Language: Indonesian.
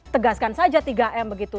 tegaskan saja tiga m begitu